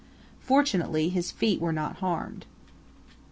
Fortunately, his feet were not harmed.